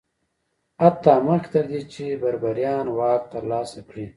حتی مخکې تر دې چې بربریان واک ترلاسه کړي